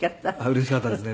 うれしかったですね。